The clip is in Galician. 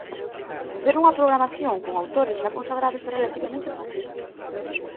Facer unha programación con autores xa consagrados é relativamente fácil.